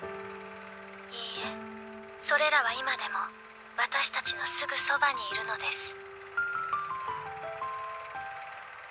いいえそれらは今でも私達のすぐそばにいるのです